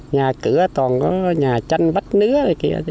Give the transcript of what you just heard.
nhà cửa toàn có nhà chăn vắt nứa rồi kìa